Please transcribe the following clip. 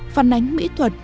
phản ánh mỹ thuật